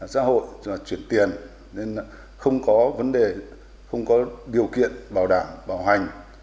xã hội chuyển tiền nên không có vấn đề không có điều kiện bảo đảm bảo hành